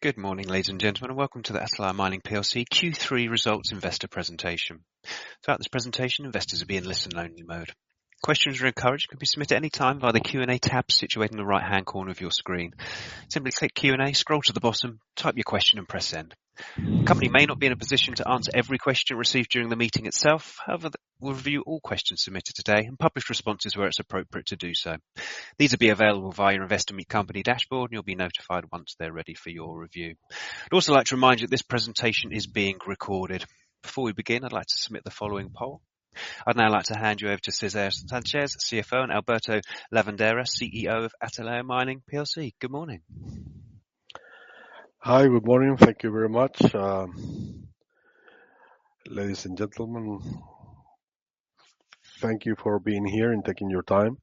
Good morning, ladies and gentlemen. Welcome to the Atalaya Mining plc Q3 results investor presentation. Throughout this presentation, investors will be in listen-only mode. Questions are encouraged, can be submitted any time via the Q&A tab situated in the right-hand corner of your screen. Simply click Q&A, scroll to the bottom, type your question, and press Send. The company may not be in a position to answer every question received during the meeting itself. However, we'll review all questions submitted today and publish responses where it's appropriate to do so. These will be available via your Investor Meet Company dashboard, and you'll be notified once they're ready for your review. I'd also like to remind you that this presentation is being recorded. Before we begin, I'd like to submit the following poll. I'd now like to hand you over to César Sánchez, CFO, and Alberto Lavandeira, CEO of Atalaya Mining PLC. Good morning. Hi. Good morning. Thank you very much. Ladies and gentlemen, thank you for being here and taking your time.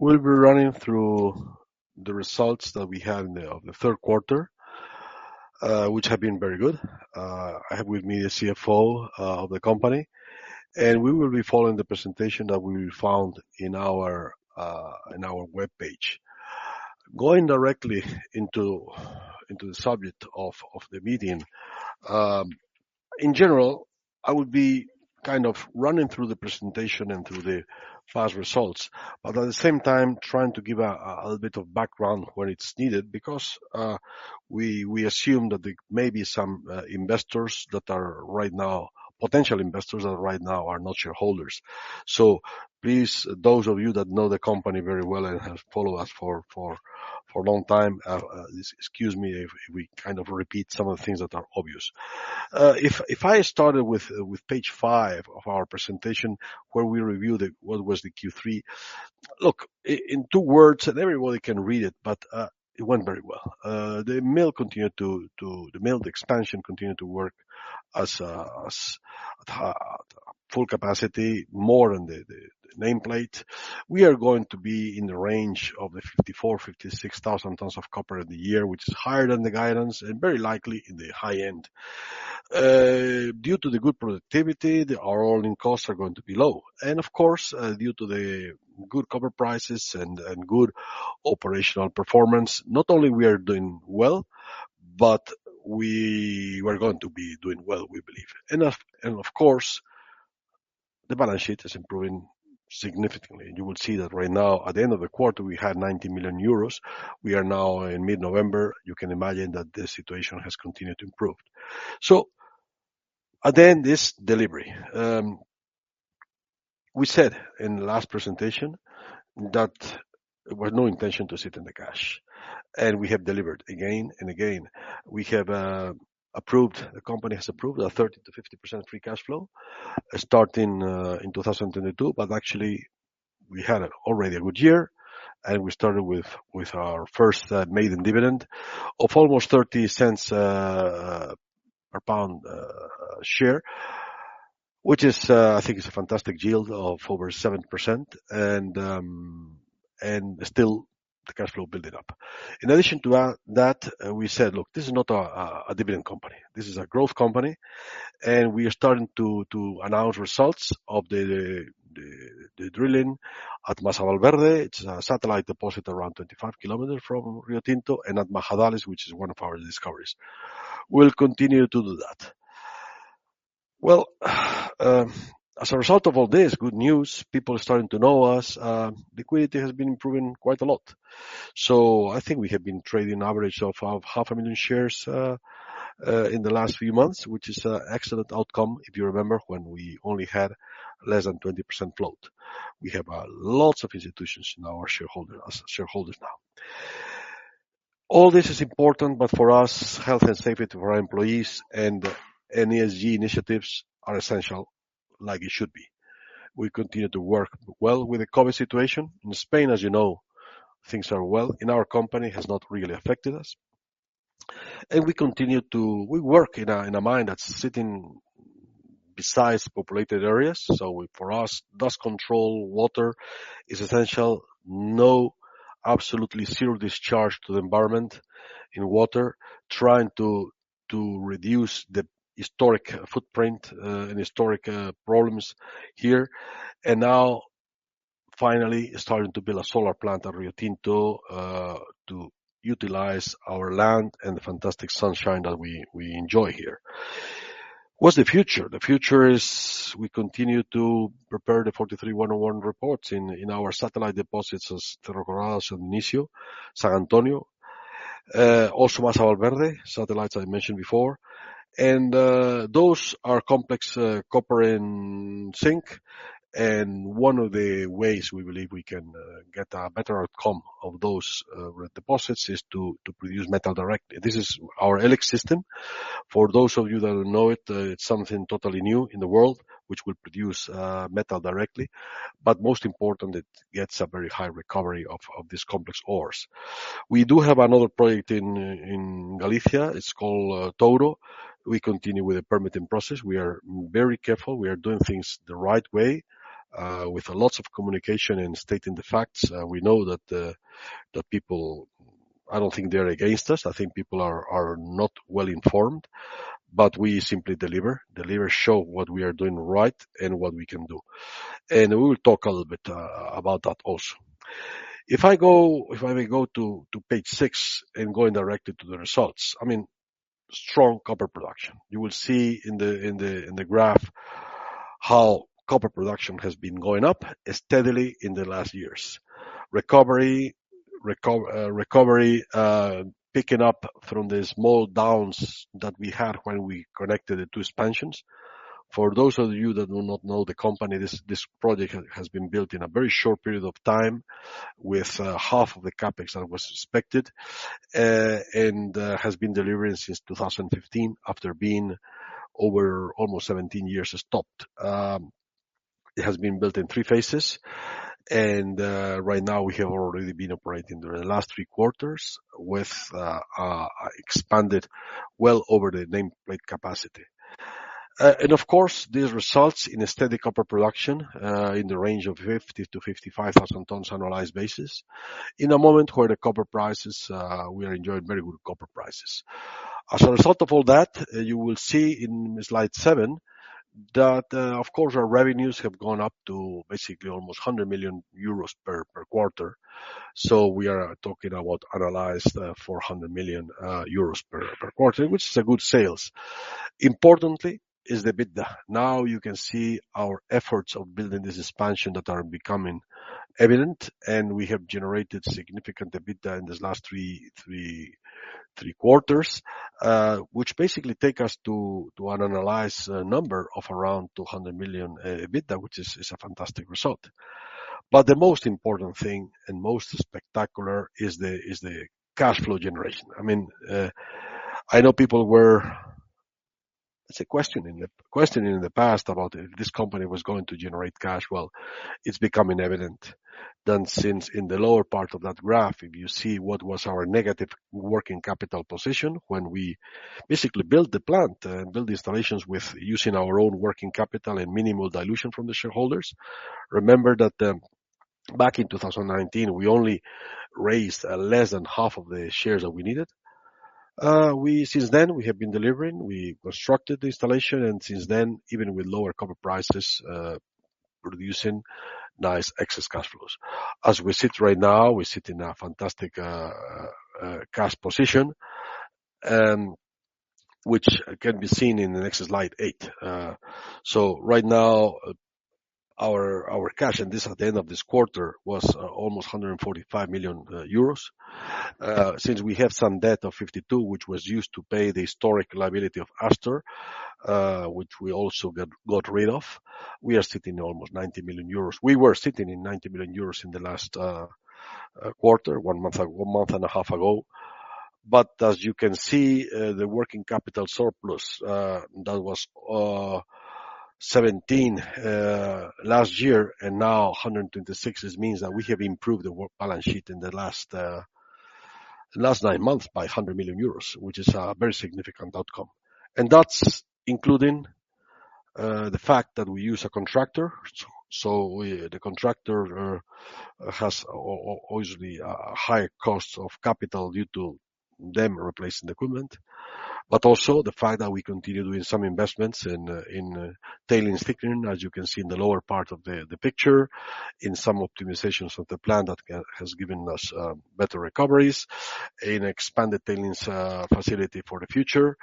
We'll be running through the results that we had of the Q3, which have been very good. I have with me the CFO of the company, and we will be following the presentation that will be found in our webpage. Going directly into the subject of the meeting. In general, I would be kind of running through the presentation and through the first results, but at the same time trying to give a little bit of background when it's needed because we assume that there may be some potential investors that right now are not shareholders. Please, those of you that know the company very well and have followed us for a long time, excuse me if we kind of repeat some of the things that are obvious. If I started with page five of our presentation where we reviewed it, what was the Q3. Look, in two words, and everybody can read it, but it went very well. The mill expansion continued to work at full capacity, more than the nameplate. We are going to be in the range of 54,000-56,000 tons of copper in the year, which is higher than the guidance and very likely in the high end. Due to the good productivity, our all-in costs are going to be low. Of course, due to the good copper prices and good operational performance, not only we are doing well, but we were going to be doing well, we believe. Of course, the balance sheet is improving significantly. You will see that right now, at the end of the quarter, we had 90 million euros. We are now in mid-November. You can imagine that the situation has continued to improve. At the end, this delivery. We said in the last presentation that there was no intention to sit on the cash, and we have delivered again and again. The company has approved a 30%-50% free cash flow starting in 2022, but actually we had already a good year, and we started with our first maiden dividend of almost $0.30 per share, which is, I think it's a fantastic yield of over 7%. Still the cash flow building up. In addition to that, we said, "Look, this is not a dividend company. This is a growth company." We are starting to announce results of the drilling at Mas Valverde. It's a satellite deposit around 25 km from Rio Tinto and at Majadales, which is one of our discoveries. We'll continue to do that. Well, as a result of all this good news, people are starting to know us. Liquidity has been improving quite a lot. I think we have been trading an average of half a million shares in the last few months, which is an excellent outcome if you remember when we only had less than 20% float. We have lots of institutions now as shareholders. All this is important, but for us, health and safety for our employees and any ESG initiatives are essential like it should be. We continue to work well with the COVID situation. In Spain, as you know, things are well. In our company, it has not really affected us. We work in a mine that's sitting beside populated areas. For us, dust control, water is essential. No, absolutely zero discharge to the environment in water, trying to reduce the historic footprint and historic problems here. Now finally starting to build a solar plant at Rio Tinto to utilize our land and the fantastic sunshine that we enjoy here. What's the future? The future is we continue to prepare the 43-101 reports in our satellite deposits as Cerro Colorado and San Dionisio, San Antonio. Also Mas Valverde, satellites I mentioned before. Those are complex copper and zinc. One of the ways we believe we can get a better outcome of those deposits is to produce metal direct. This is our E-LIX system. For those of you that know it's something totally new in the world, which will produce metal directly, but most important, it gets a very high recovery of these complex ores. We do have another project in Galicia. It's called Touro. We continue with the permitting process. We are very careful. We are doing things the right way, with lots of communication and stating the facts. We know that the people, I don't think they're against us. I think people are not well informed. We simply deliver. Show what we are doing right and what we can do. We will talk a little bit about that also. If I may go to page six and going directly to the results, I mean, strong copper production. You will see in the graph how copper production has been going up steadily in the last years. Recovery picking up from the small downs that we had when we connected the two expansions. For those of you that do not know the company, this project has been built in a very short period of time with half of the CapEx that was expected and has been delivering since 2015 after being over almost 17 years stopped. It has been built in three phases, and right now we have already been operating during the last three quarters with expanded well over the nameplate capacity. Of course, this results in a steady copper production in the range of 50,000-55,000 tons annualized basis. We are enjoying very good copper prices. As a result of all that, you will see in slide seven that, of course our revenues have gone up to basically almost 100 million euros per quarter. We are talking about annualized EUR 400 million per quarter, which is a good sales. Importantly is the EBITDA. Now you can see our efforts of building this expansion that are becoming evident, and we have generated significant EBITDA in these last three quarters, which basically take us to an annualized number of around 200 million EBITDA, which is a fantastic result. The most important thing and most spectacular is the cash flow generation. I mean, I know people were. questioning in the past about if this company was going to generate cash. Well, it's becoming evident. Since in the lower part of that graph, if you see what was our negative working capital position when we basically built the plant and built installations with using our own working capital and minimal dilution from the shareholders. Remember that, back in 2019, we only raised less than half of the shares that we needed. Since then, we have been delivering. We constructed the installation, and since then, even with lower copper prices, producing nice excess cash flows. As we sit right now, we sit in a fantastic cash position, which can be seen in the next slide eight. Right now, our cash, and this at the end of this quarter, was almost 145 million euros. Since we have some debt of 52 million, which was used to pay the historic liability of Astor, which we also got rid of, we are sitting in almost 90 million euros. We were sitting in 90 million euros in the last quarter, one month and a half ago. As you can see, the working capital surplus that was 17 million last year and now 126 million. This means that we have improved the working balance sheet in the last nine months by 100 million euros, which is a very significant outcome. That's including the fact that we use a contractor. The contractor has obviously a higher cost of capital due to them replacing the equipment. Also the fact that we continue doing some investments in tailings thickening, as you can see in the lower part of the picture, in some optimizations of the plant that has given us better recoveries, in expanded tailings facility for the future,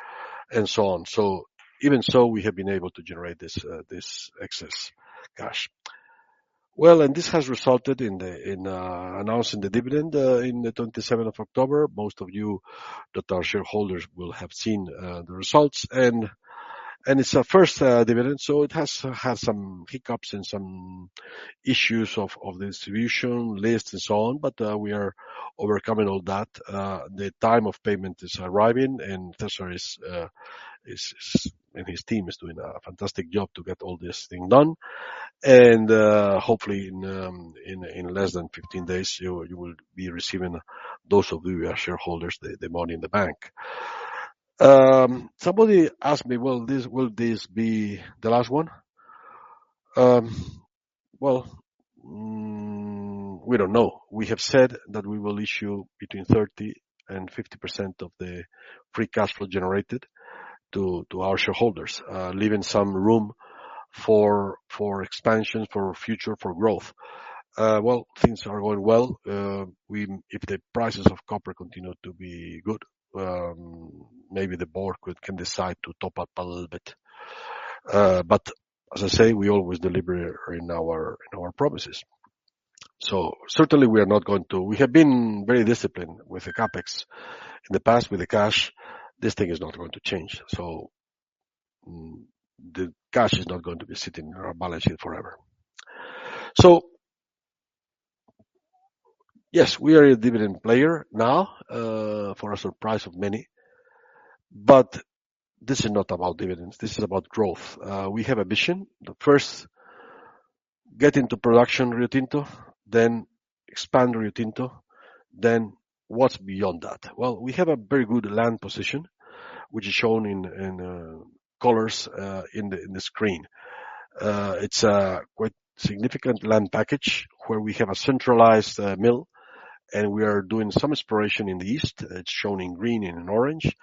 and so on. Even so, we have been able to generate this excess cash. Well, this has resulted in the announcing the dividend in the twenty-seventh of October. Most of you that are shareholders will have seen the results. It's our first dividend, so it has had some hiccups and some issues of the distribution list and so on, but we are overcoming all that. The time of payment is arriving, and César and his team is doing a fantastic job to get all this thing done. Hopefully in less than 15 days, you will be receiving, those of you who are shareholders, the money in the bank. Somebody asked me, "Will this be the last one?" Well, we don't know. We have said that we will issue between 30% and 50% of the free cash flow generated to our shareholders, leaving some room for expansion, for future, for growth. Well, things are going well. If the prices of copper continue to be good, maybe the board can decide to top up a little bit. As I say, we always deliver on our promises. We have been very disciplined with the CapEx. In the past, with the cash, this thing is not going to change. The cash is not going to be sitting in our balance sheet forever. Yes, we are a dividend player now, for a surprise of many. This is not about dividends. This is about growth. We have a mission. First, get into production Rio Tinto, then expand Rio Tinto, then what's beyond that? Well, we have a very good land position, which is shown in colors in the screen. It's a quite significant land package where we have a centralized mill, and we are doing some exploration in the east. It's shown in green and in orange.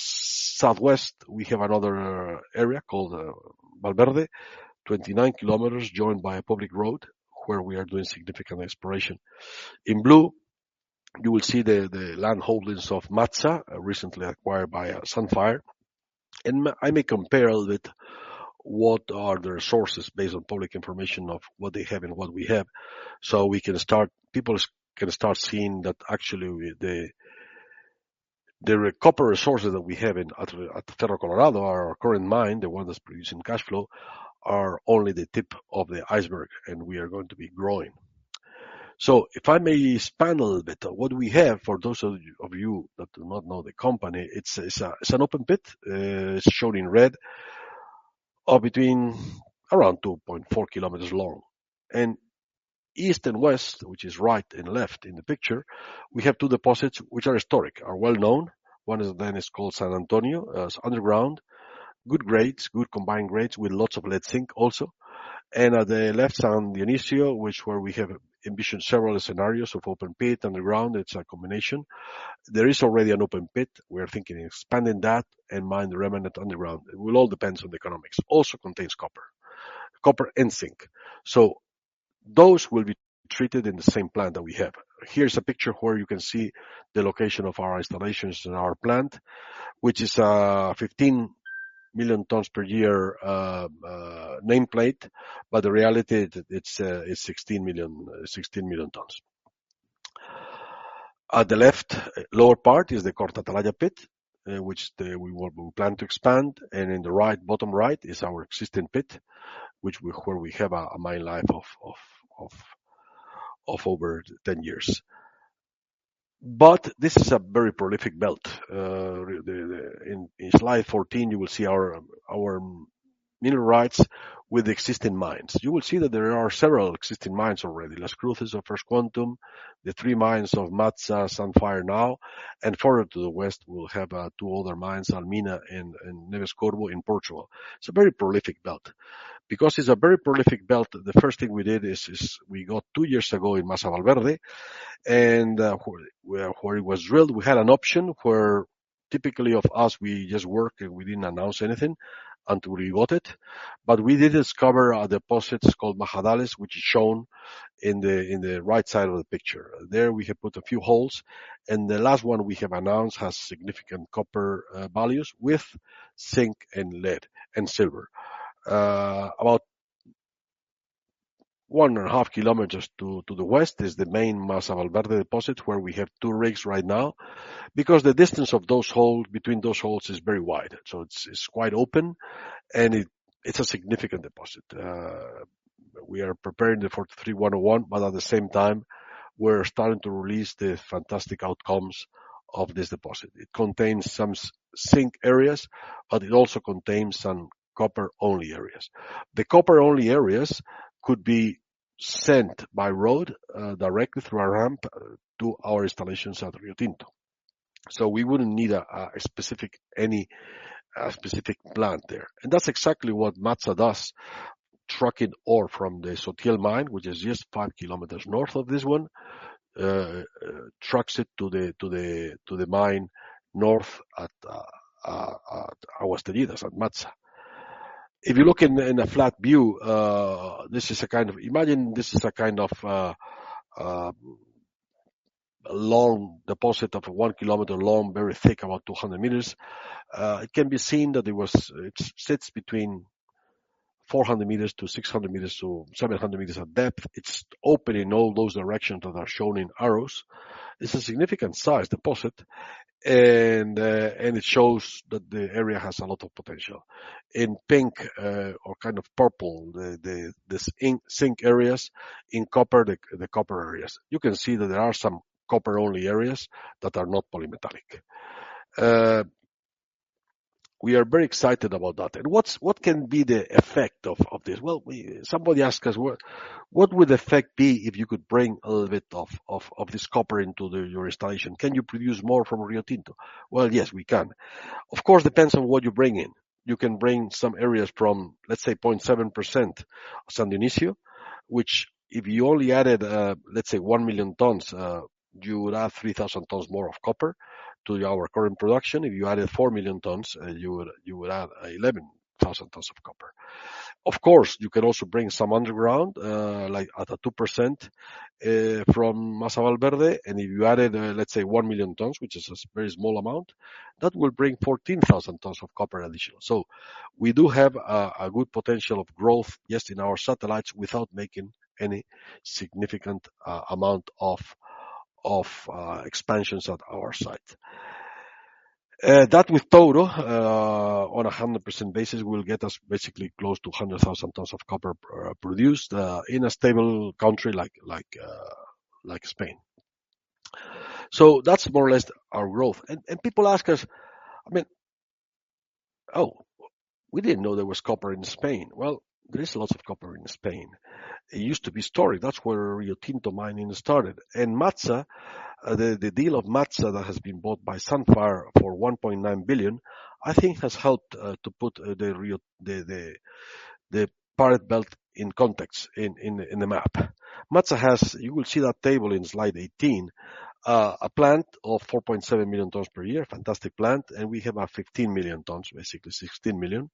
Southwest, we have another area called Valverde, 29 kilometers joined by a public road, where we are doing significant exploration. In blue, you will see the landholdings of MATSA, recently acquired by Sandfire. I may compare a little bit what are the resources based on public information of what they have and what we have. People can start seeing that actually the copper resources that we have at Cerro Colorado, our current mine, the one that's producing cash flow, are only the tip of the iceberg, and we are going to be growing. If I may expand a little bit on what we have, for those of you that do not know the company, it's an open pit. It's shown in red of between around 2.4 kilometers long. East and west, which is right and left in the picture, we have two deposits which are historic, are well known. One of them is called San Antonio. It's underground, good grades, good combined grades with lots of lead, zinc also. At the left, San Dionisio, which where we have envisioned several scenarios of open pit, underground. It's a combination. There is already an open pit. We're thinking of expanding that and mine the remnant underground. It will all depends on the economics. Also contains copper. Copper and zinc. Those will be treated in the same plant that we have. Here's a picture where you can see the location of our installations and our plant, which is 15 million tons per year nameplate, but in reality it's 16 million tons. At the left lower part is the Corta Atalaya pit, which we plan to expand. In the right, bottom right is our existing pit, where we have a mine life of over 10 years. This is a very prolific belt. In slide 14, you will see our mineral rights with existing mines. You will see that there are several existing mines already. Las Cruces of First Quantum, the three mines of MATSA, Sandfire now, and further to the west, we'll have two other mines, Almina and Neves Corvo in Portugal. It's a very prolific belt. Because it's a very prolific belt, the first thing we did is we got 2 years ago in Masa Valverde, and where it was drilled, we had an option where typically of us, we just work, and we didn't announce anything until we got it. But we did discover a deposit called Majadales, which is shown in the right side of the picture. There, we have put a few holes, and the last one we have announced has significant copper values with zinc and lead and silver. About 1.5 kilometers to the west is the main Masa Valverde deposit, where we have two rigs right now. Because the distance between those holes is very wide. It's quite open, and it's a significant deposit. We are preparing it for 43-101, but at the same time, we're starting to release the fantastic outcomes of this deposit. It contains some zinc areas, but it also contains some copper-only areas. The copper-only areas could be sent by road, directly through a ramp, to our installations at Rio Tinto. We wouldn't need any specific plant there. That's exactly what MATSA does, trucking ore from the Sotiel mine, which is just 5 km north of this one, trucks it to the mine north at Aguas Teñidas at MATSA. If you look in a flat view, imagine this is a kind of long deposit 1 km long, very thick, about 200 meters. It can be seen that it sits between 400 meters to 600 meters to 700 meters of depth. It's open in all those directions that are shown in arrows. It's a significant size deposit, and it shows that the area has a lot of potential. In pink, or kind of purple, the zinc areas. In copper, the copper areas. You can see that there are some copper-only areas that are not polymetallic. We are very excited about that. What can be the effect of this? Well, somebody asked us what the effect would be if you could bring a little bit of this copper into your installation. Can you produce more from Rio Tinto? Well, yes, we can. Of course, depends on what you bring in. You can bring some areas from, let's say, 0.7% San Dionisio, which if you only added, let's say, 1 million tons, you would add 3,000 tons more of copper to our current production. If you added 4 million tons, you would add 11,000 tons of copper. Of course, you can also bring some underground, like at a 2%, from Masa Valverde, and if you added, let's say, 1 million tons, which is a very small amount, that will bring 14,000 tons of copper additional. We do have a good potential of growth, just in our satellites, without making any significant amount of expansions at our site. That with Touro, on a 100% basis, will get us basically close to 100,000 tons of copper produced, in a stable country like Spain. That's more or less our growth. People ask us, I mean—oh, we didn't know there was copper in Spain. Well, there is lots of copper in Spain. It used to be mined. That's where Rio Tinto mining started. MATSA, the deal of MATSA that has been bought by Sandfire for 1.9 billion, I think has helped, to put the Pyrite Belt in context in the map. MATSA has you will see that table in slide 18, a plant of 4.7 million tons per year, fantastic plant, and we have 15 million tons, basically 16 million.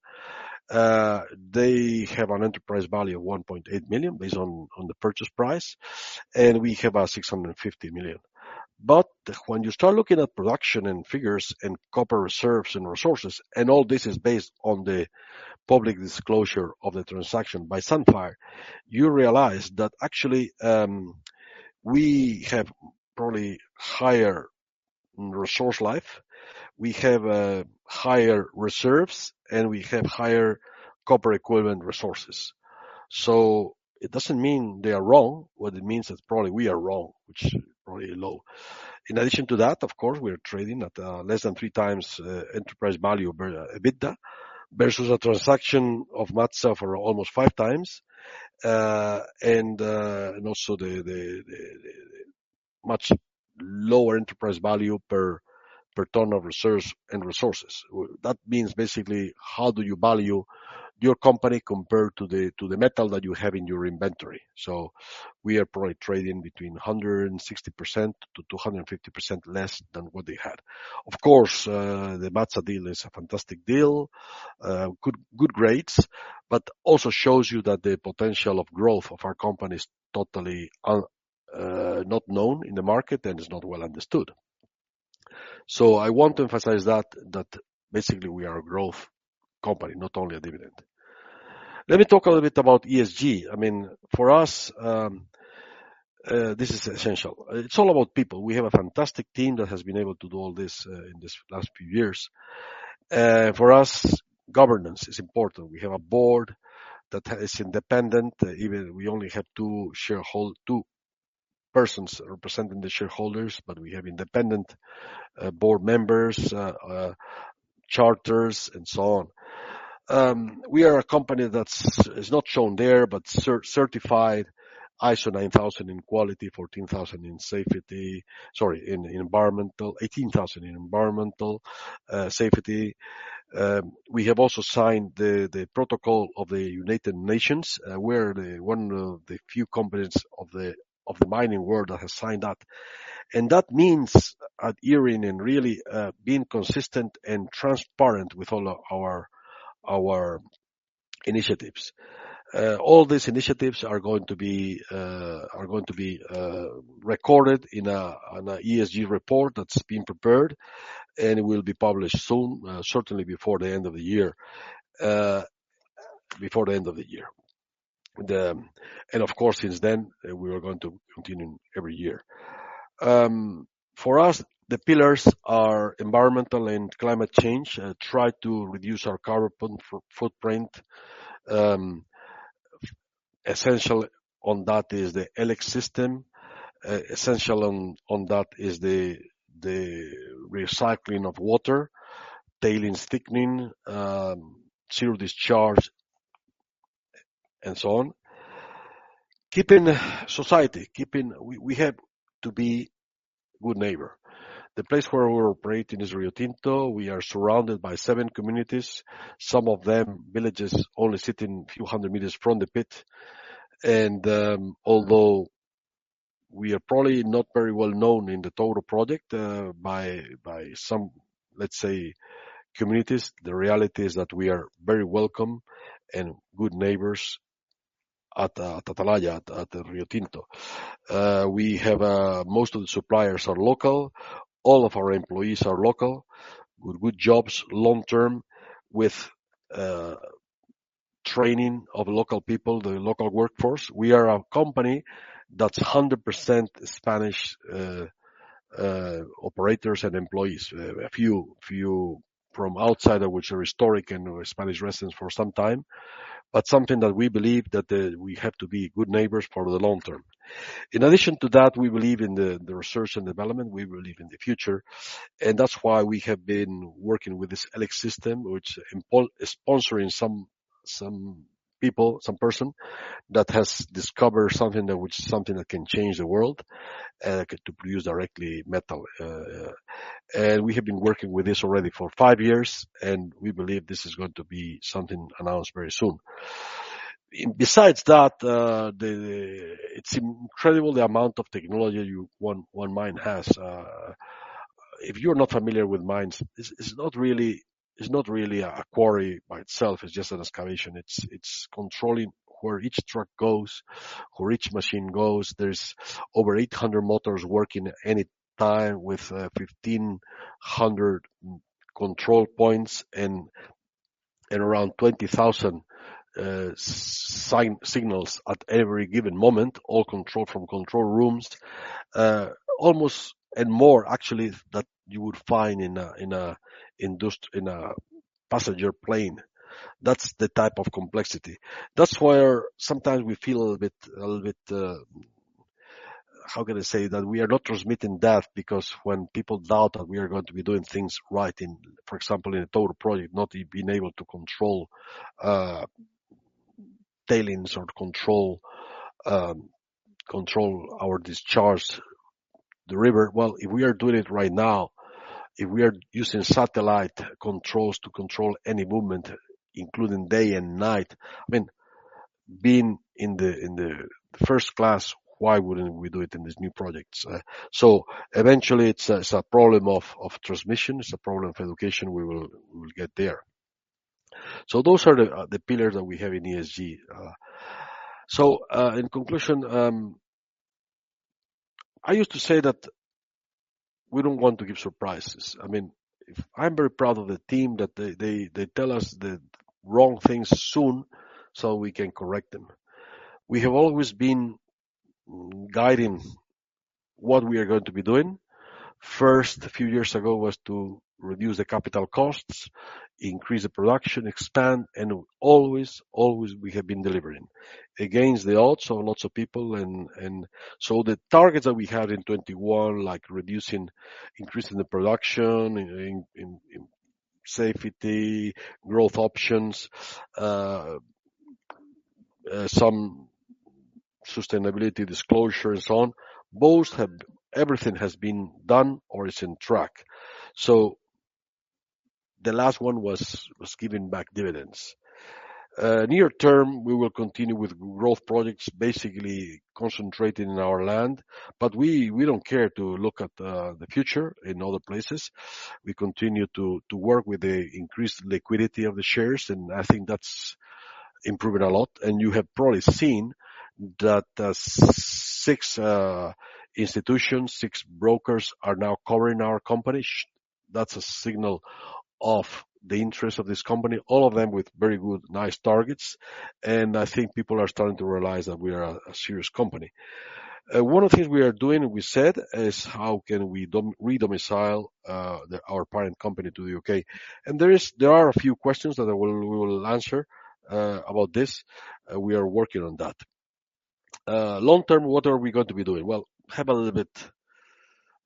They have an enterprise value of 1.8 million based on the purchase price, and we have 650 million. When you start looking at production and figures and copper reserves and resources, and all this is based on the public disclosure of the transaction by Sandfire, you realize that actually, we have probably higher resource life, we have higher reserves, and we have higher copper equivalent resources. It doesn't mean they are wrong. What it means is probably we are wrong, which probably low. In addition to that, of course, we're trading at less than 3x enterprise value EBITDA versus a transaction of MATSA for almost 5x. And also the much lower enterprise value per ton of reserves and resources. That means basically how do you value your company compared to the metal that you have in your inventory. We are probably trading between 160%-250% less than what they had. Of course, the MATSA deal is a fantastic deal. Good grades, but also shows you that the potential of growth of our company is totally not known in the market and is not well understood. I want to emphasize that basically we are a growth company, not only a dividend. Let me talk a little bit about ESG. I mean, for us, this is essential. It's all about people. We have a fantastic team that has been able to do all this in these last few years. For us, governance is important. We have a board that is independent. Even we only have two persons representing the shareholders, but we have independent board members, charters, and so on. We are a company that's. It's not shown there, but certified ISO 9000 in quality, 14000 in environmental, 18000 in safety. We have also signed the protocol of the United Nations. We're one of the few companies of the mining world that has signed that. That means adhering and really being consistent and transparent with all our initiatives. All these initiatives are going to be recorded in a ESG report that's being prepared, and it will be published soon, certainly before the end of the year. Before the end of the year. Of course, since then, we are going to continue every year. For us, the pillars are environmental and climate change. Try to reduce our carbon footprint. Essential on that is the E-LIX system. Essential on that is the recycling of water, tailings thickening, zero discharge, and so on. We have to be good neighbor. The place where we operate in is Rio Tinto. We are surrounded by seven communities, some of them villages only sitting few hundred meters from the pit. Although we are probably not very well known in the total project by some, let's say, communities, the reality is that we are very welcome and good neighbors at Atalaya, at Rio Tinto. We have most of the suppliers are local. All of our employees are local, with good long-term jobs, with training of local people, the local workforce. We are a company that's 100% Spanish operators and employees. A few from outside, which are historic and Spanish residents for some time. Something that we believe that we have to be good neighbors for the long term. In addition to that, we believe in the research and development. We believe in the future. That's why we have been working with this E-LIX system, sponsoring some people that has discovered something that can change the world to produce directly metal. We have been working with this already for five years, and we believe this is going to be something announced very soon. Besides that, the It's incredible the amount of technology one mine has. If you're not familiar with mines, it's not really a quarry by itself. It's just an excavation. It's controlling where each truck goes, where each machine goes. There's over 800 motors working any time with 1,500 control points and around 20,000 signals at every given moment, all controlled from control rooms. Almost and more actually than you would find in a passenger plane. That's the type of complexity. That's where sometimes we feel a bit, a little bit, how can I say that we are not transmitting that because when people doubt that we are going to be doing things right in, for example, in the Touro project, not being able to control tailings or control our discharge, the river. Well, if we are doing it right now, if we are using satellite controls to control any movement, including day and night, I mean, being in the first class, why wouldn't we do it in these new projects? Eventually it's a problem of transmission, it's a problem of education. We will get there. Those are the pillars that we have in ESG. In conclusion, I used to say that we don't want to give surprises. I mean, if... I'm very proud of the team that they tell us the wrong things soon, so we can correct them. We have always been guiding what we are going to be doing. First, a few years ago, was to reduce the capital costs, increase the production, expand, and always we have been delivering against the odds of lots of people. The targets that we had in 2021, like reducing, increasing the production in safety, growth options, some sustainability disclosure and so on, everything has been done or is on track. The last one was giving back dividends. Near term, we will continue with growth projects, basically concentrating in our land, but we don't care to look at the future in other places. We continue to work with the increased liquidity of the shares, and I think that's improving a lot. You have probably seen that, six institutions, six brokers are now covering our company. That's a signal of the interest of this company, all of them with very good, nice targets. I think people are starting to realize that we are a serious company. One of the things we are doing, we said, is how can we re-domicile our parent company to the U.K.? There are a few questions that we will answer about this. We are working on that. Long term, what are we going to be doing? Well,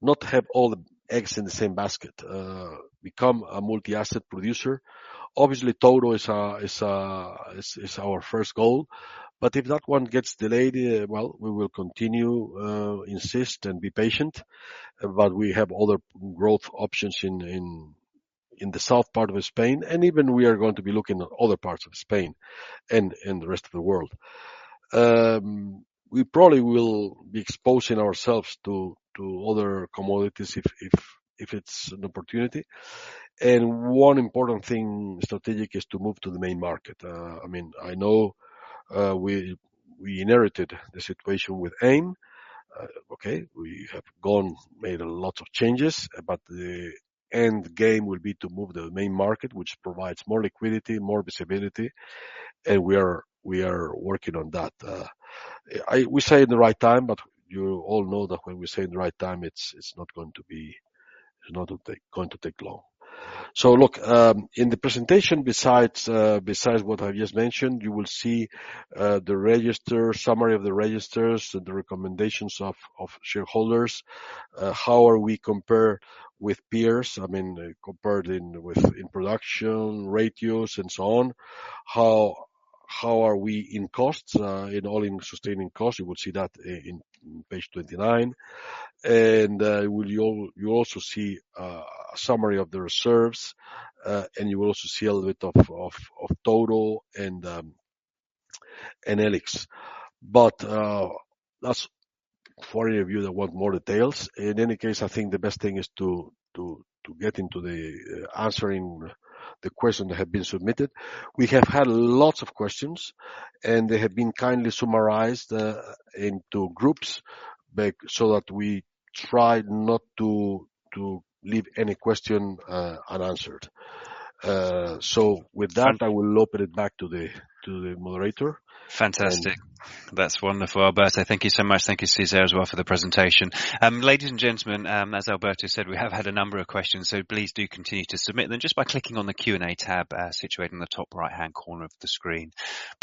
not have all the eggs in the same basket. Become a multi-asset producer. Obviously, Touro is our first goal, but if that one gets delayed, well, we will continue insist and be patient. We have other growth options in the south part of Spain, and even we are going to be looking at other parts of Spain and the rest of the world. We probably will be exposing ourselves to other commodities if it's an opportunity. One important thing strategic is to move to the main market. I mean, I know we inherited the situation with AIM. Okay. We have gone, made lots of changes, but the end game will be to move the main market, which provides more liquidity, more visibility, and we are working on that. We say in the right time, but you all know that when we say in the right time, it's not going to be, not going to take long. Look, in the presentation, besides what I've just mentioned, you will see the register summary of the registers, the recommendations of shareholders, how are we compare with peers. I mean, compared in, with, in production ratios and so on. How are we in costs, in all in sustaining costs? You will see that in page 29. You'll also see a summary of the reserves, and you will also see a little bit of Touro and E-LIX. That's for any of you that want more details. In any case, I think the best thing is to get into answering the questions that have been submitted. We have had lots of questions, and they have been kindly summarized into groups so that we try not to leave any questions unanswered. With that, I will open it back to the moderator. Fantastic. That's wonderful. Alberto, thank you so much. Thank you, César, as well for the presentation. Ladies and gentlemen, as Alberto said, we have had a number of questions, so please do continue to submit them just by clicking on the Q&A tab, situated in the top right-hand corner of the screen.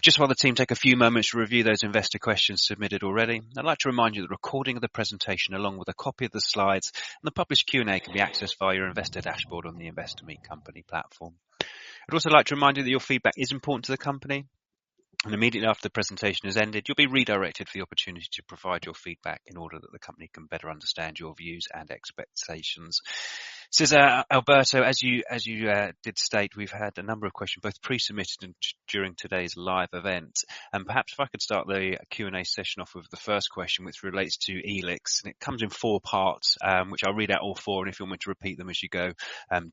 Just while the team take a few moments to review those investor questions submitted already, I'd like to remind you the recording of the presentation, along with a copy of the slides and the published Q&A, can be accessed via your investor dashboard on the Investor Meet Company platform. I'd also like to remind you that your feedback is important to the company. Immediately after the presentation has ended, you'll be redirected for the opportunity to provide your feedback in order that the company can better understand your views and expectations. César, Alberto, as you did state, we've had a number of questions both pre-submitted and during today's live event. Perhaps if I could start the Q&A session off with the first question, which relates to E-LIX, and it comes in four parts, which I'll read out all four, and if you want me to repeat them as you go,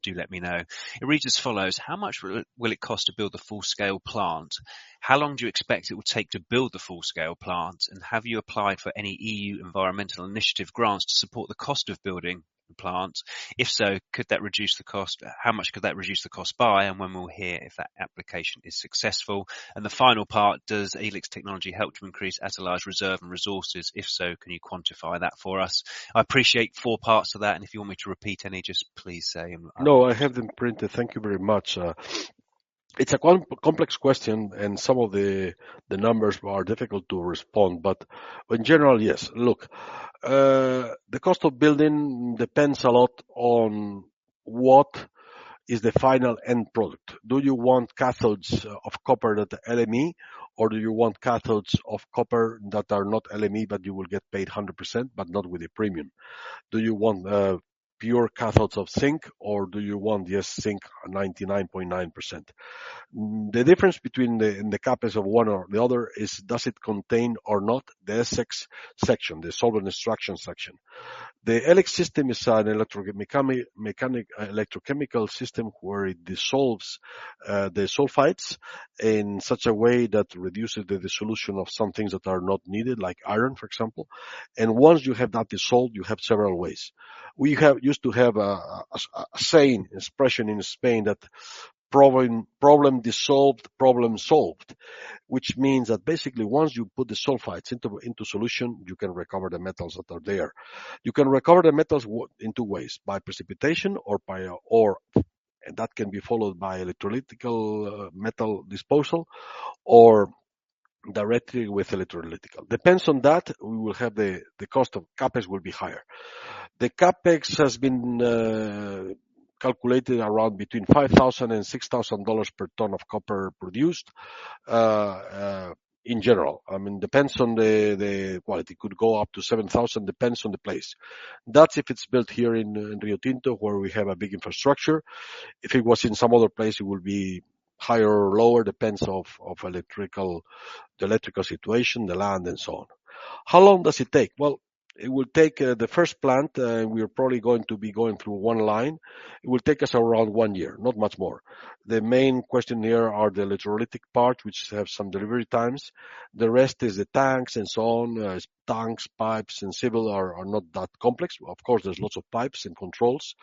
do let me know. It reads as follows: How much will it cost to build the full-scale plant? How long do you expect it will take to build the full-scale plant? And have you applied for any EU environmental initiative grants to support the cost of building the plant? If so, could that reduce the cost? How much could that reduce the cost by, and when we'll hear if that application is successful? The final part: does E-LIX technology help to increase Atalaya's reserve and resources? If so, can you quantify that for us? I appreciate four parts to that, and if you want me to repeat any, just please say and I'll- No, I have them printed. Thank you very much. It's a complex question, and some of the numbers are difficult to respond, but in general, yes. Look, the cost of building depends a lot on what is the final end product. Do you want cathodes of copper that are LME, or do you want cathodes of copper that are not LME, but you will get paid 100%, but not with a premium? Do you want pure cathodes of zinc, or do you want just zinc 99.9%? The difference between the and the CapEx of one or the other is does it contain or not the SX section, the solvent extraction section. The E-LIX system is an electrochemical system where it dissolves the sulfides in such a way that reduces the dissolution of some things that are not needed, like iron, for example. Once you have that dissolved, you have several ways. We used to have a saying, expression in Spain that problem dissolved, problem solved, which means that basically once you put the sulfides into solution, you can recover the metals that are there. You can recover the metals in two ways: by precipitation, and that can be followed by electrolytic metal deposition or directly with electrolytic. Depends on that, the cost of CapEx will be higher. The CapEx has been calculated around between $5,000-$6,000 per ton of copper produced. In general, I mean, depends on the quality. Could go up to 7,000, depends on the place. That's if it's built here in Rio Tinto, where we have a big infrastructure. If it was in some other place, it would be higher or lower, depends on the electrical situation, the land, and so on. How long does it take? Well, it will take the first plant, we are probably going to be going through one line. It will take us around one year, not much more. The main question here are the electrolytic part, which have some delivery times. The rest is the tanks and so on. Tanks, pipes, and civil are not that complex. Of course, there's lots of pipes and controls.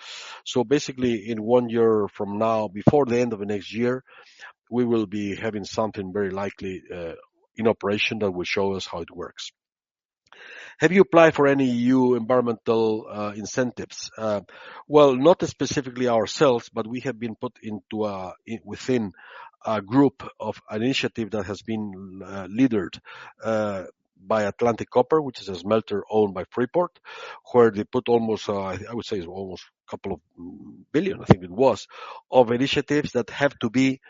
Basically, in one year from now, before the end of next year, we will be having something very likely in operation that will show us how it works. Have you applied for any EU environmental incentives? Well, not specifically ourselves, but we have been put within a group of an initiative that has been led by Atlantic Copper, which is a smelter owned by Freeport-McMoRan, where they put almost EUR 2 billion, I would say, I think it was, of initiatives that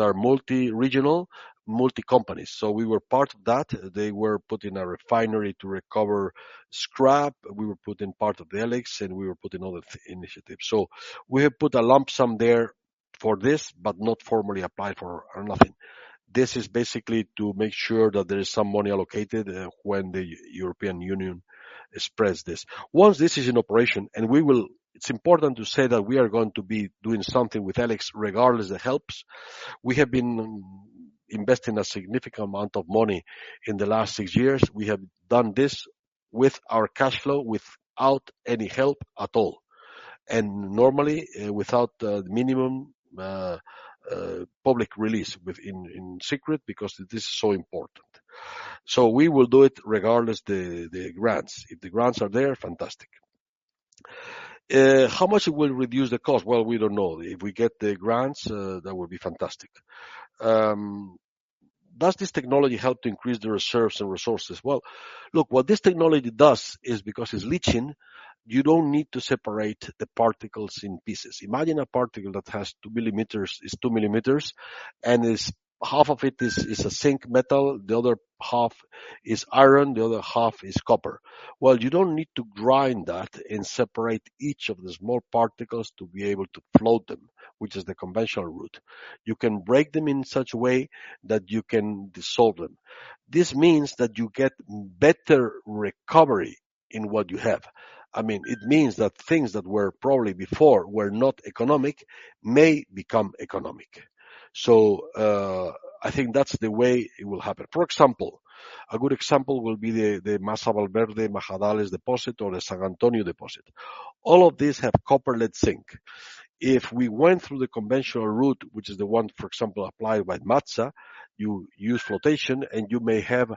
are multi-regional, multi-companies. We were part of that. They were putting a refinery to recover scrap. We were putting part of the E-LIX, and we were putting other initiatives. We have put a lump sum there for this, but not formally applied for nothing. This is basically to make sure that there is some money allocated when the European Union funds this. Once this is in operation. It's important to say that we are going to be doing something with E-LIX regardless of help. We have been investing a significant amount of money in the last six years. We have done this with our cash flow without any help at all, and normally without the minimum public release, in secret because it is so important. We will do it regardless the grants. If the grants are there, fantastic. How much it will reduce the cost? Well, we don't know. If we get the grants, that would be fantastic. Does this technology help to increase the reserves and resources? Well, look, what this technology does is because it's leaching, you don't need to separate the particles in pieces. Imagine a particle that has two millimeters, is two millimeters, and half of it is a zinc metal, the other half is iron, the other half is copper. Well, you don't need to grind that and separate each of the small particles to be able to float them, which is the conventional route. You can break them in such a way that you can dissolve them. This means that you get better recovery in what you have. I mean, it means that things that were probably before were not economic may become economic. I think that's the way it will happen. For example, a good example will be the Masa Valverde Majadales deposit or the San Antonio deposit. All of these have copper lead zinc. If we went through the conventional route, which is the one, for example, applied by MATSA, you use flotation, and you may have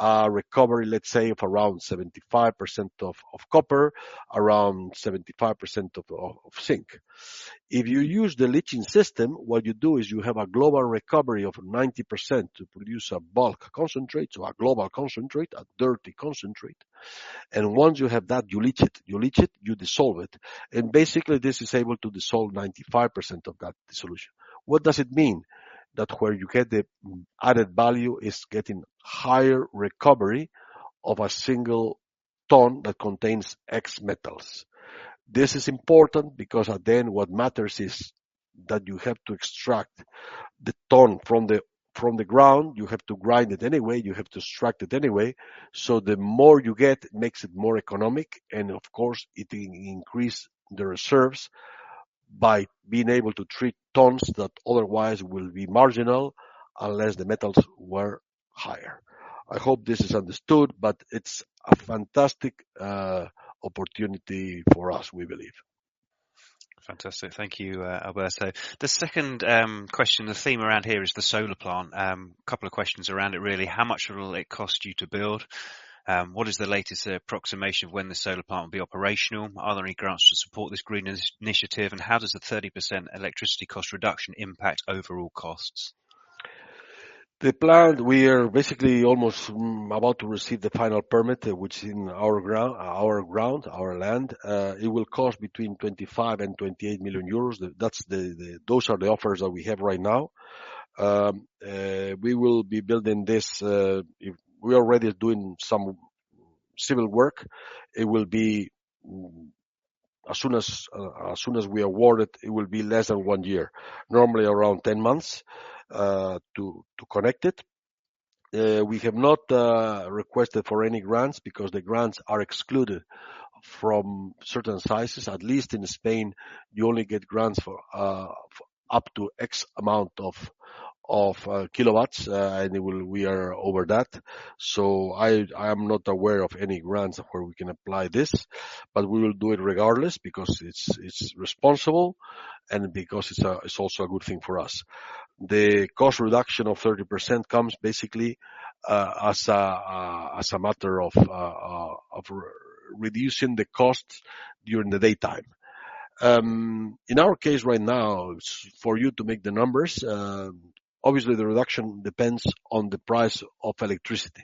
a recovery, let's say, of around 75% of copper, around 75% of zinc. If you use the leaching system, what you do is you have a global recovery of 90% to produce a bulk concentrate, so a global concentrate, a dirty concentrate, and once you have that, you leach it. You leach it, you dissolve it, and basically, this is able to dissolve 95% of that dissolution. What does it mean? That where you get the added value is getting higher recovery of a single ton that contains X metals. This is important because at the end, what matters is that you have to extract the ton from the ground, you have to grind it anyway, you have to extract it anyway, so the more you get makes it more economic, and of course, it increases the reserves by being able to treat tons that otherwise will be marginal unless the metals were higher. I hope this is understood, but it's a fantastic opportunity for us, we believe. Fantastic. Thank you, Alberto. The second question, the theme around here is the solar plant. Couple of questions around it, really. How much will it cost you to build? What is the latest approximation of when the solar plant will be operational? Are there any grants to support this green initiative? And how does the 30% electricity cost reduction impact overall costs? The plant, we are basically almost about to receive the final permit, which is in our ground, our land. It will cost between 25 million and 28 million euros. Those are the offers that we have right now. We will be building this. We're already doing some civil work. It will be, as soon as we award it will be less than 1 year. Normally around 10 months to connect it. We have not requested for any grants because the grants are excluded from certain sizes. At least in Spain, you only get grants for up to X amount of kilowatts, and we are over that. I am not aware of any grants of where we can apply this, but we will do it regardless because it's responsible and because it's also a good thing for us. The cost reduction of 30% comes basically as a matter of re-reducing the costs during the daytime. In our case right now for you to make the numbers, obviously the reduction depends on the price of electricity.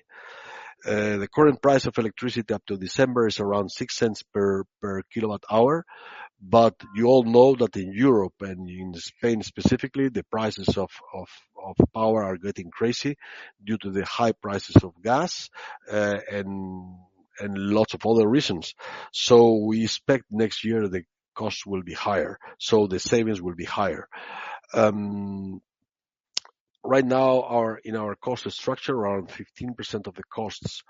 The current price of electricity up to December is around 0.06/kWh, but you all know that in Europe, and in Spain specifically, the prices of power are getting crazy due to the high prices of gas and lots of other reasons. We expect next year the cost will be higher, so the savings will be higher. Right now, in our cost structure, around 15% of the costs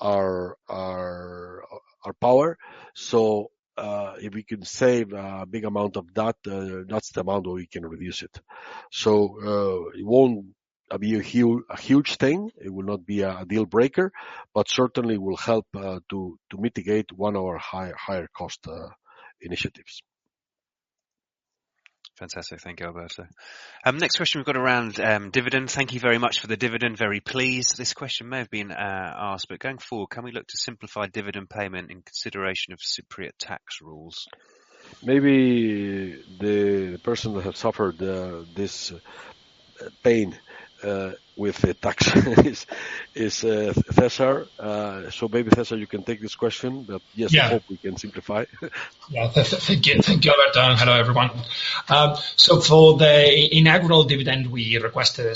are our power. If we can save a big amount of that's the amount that we can reduce it. It won't be a huge thing, it will not be a deal breaker, but certainly will help to mitigate one of our higher cost initiatives. Fantastic. Thank you, Alberto. Next question we've got around dividend. Thank you very much for the dividend. Very pleased. This question may have been asked, but going forward, can we look to simplify dividend payment in consideration of Cypriot tax rules? Maybe the person that have suffered this pain with the tax is César. Maybe, César, you can take this question, but yes- Yeah. I hope we can simplify. Thank you, Alberto, and hello, everyone. For the inaugural dividend, we requested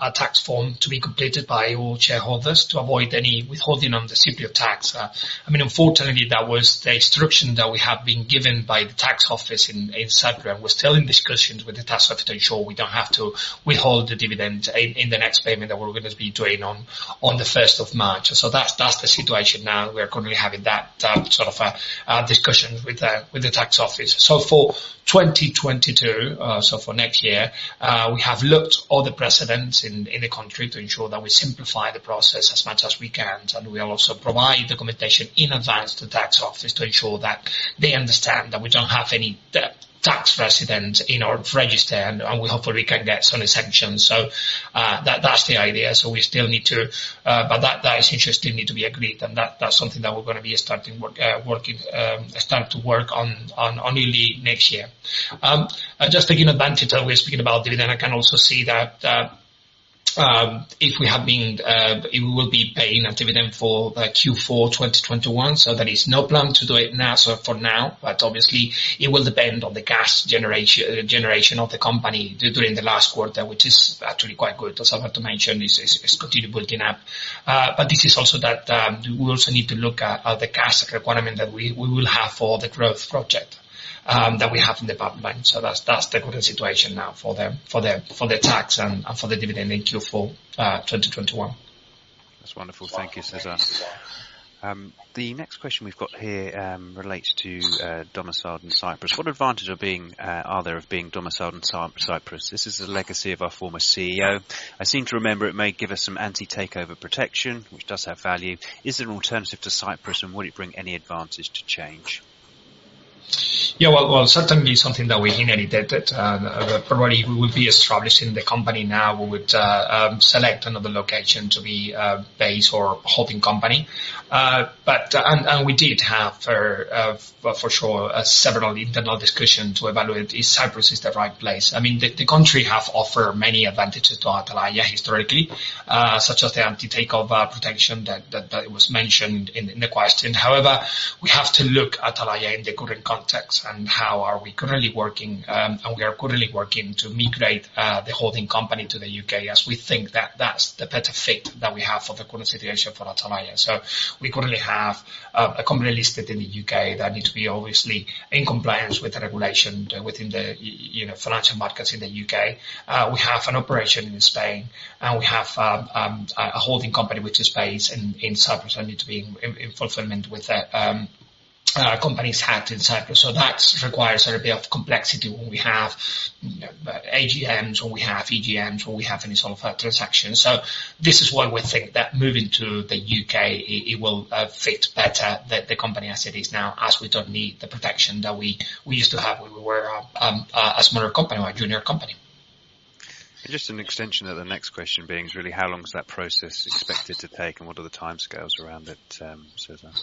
a tax form to be completed by all shareholders to avoid any withholding on the Cypriot tax. I mean, unfortunately, that was the instruction that we have been given by the tax office in Cyprus. We're still in discussions with the tax office to ensure we don't have to withhold the dividend in the next payment that we're gonna be doing on the first of March. That's the situation now. We are currently having that sort of discussion with the tax office. For 2022, for next year, we have looked all the precedents in the country to ensure that we simplify the process as much as we can. We also provide documentation in advance to tax office to ensure that they understand that we don't have any tax residents in our register, and we hope that we can get some exemptions. That's the idea. We still need to. That is interesting, need to be agreed. That's something that we're gonna start to work on early next year. Just taking advantage that we're speaking about dividend, I can also see that, if we have been, we will be paying a dividend for Q4 2021, there is no plan to do it now. For now, but obviously it will depend on the cash generation of the company during the last quarter, which is actually quite good. As Alberto mentioned, continue building up. This is also that we also need to look at the cash requirement that we will have for the growth project that we have in the pipeline. That's the current situation now for the cash and for the dividend in Q4 2021. That's wonderful. Thank you, César. The next question we've got here relates to domiciled in Cyprus. What advantage of being are there of being domiciled in Cyprus? This is a legacy of our former CEO. I seem to remember it may give us some anti-takeover protection, which does have value. Is there an alternative to Cyprus, and would it bring any advantage to change? Yeah. Well, well, certainly something that we inherited, probably if we would be establishing the company now, we would select another location to be based or holding company. But and we did have for sure several internal discussions to evaluate if Cyprus is the right place. I mean, the country have offered many advantages to Atalaya historically, such as the anti-takeover protection that that was mentioned in the question. However, we have to look at Atalaya in the current context and how are we currently working. We are currently working to migrate the holding company to the U.K., as we think that that's the better fit that we have for the current situation for Atalaya. We currently have a company listed in the UK that needs to be obviously in compliance with the regulation within the, you know, financial markets in the U.K. We have an operation in Spain, and we have a holding company which is based in Cyprus and need to be in fulfillment with the companies act in Cyprus. That requires a bit of complexity when we have AGMs or we have EGMs or we have any sort of transactions. This is why we think that moving to the U.K, it will fit better the company as it is now, as we don't need the protection that we used to have when we were a smaller company or a junior company. Just an extension of the next question being is really how long is that process expected to take and what are the timescales around it, César?